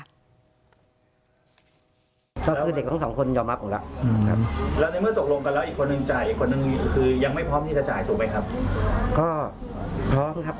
บค่ะเขาให้เหตุผลว่ายังไง